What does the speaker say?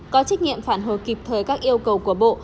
có trách nhiệm phản hồi kịp thời các yêu cầu của bộ